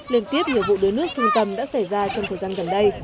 liên tiếp nhiều vụ đuối nước thương tâm đã xảy ra trong thời gian gần đây